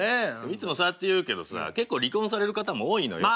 いつもそうやって言うけどさ結構離婚される方も多いのよ。